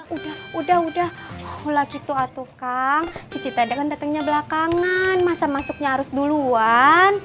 udah udah udah udah gitu ah kang cicit ada kan datangnya belakangan masa masuknya harus duluan